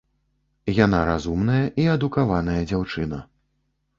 Яна разумная і адукаваная дзяўчына.